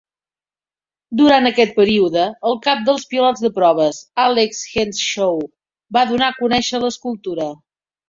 Durant aquest període, el cap dels pilots de proves, Alex Henshaw, va donar a conèixer l'escultura.